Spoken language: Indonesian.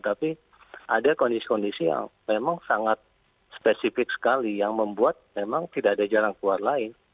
tapi ada kondisi kondisi yang memang sangat spesifik sekali yang membuat memang tidak ada jalan keluar lain